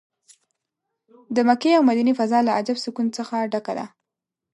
د مکې او مدینې فضا له عجب سکون څه ډکه ده.